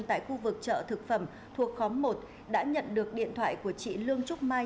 tại khu vực chợ thực phẩm thuộc khóm một đã nhận được điện thoại của chị lương trúc mai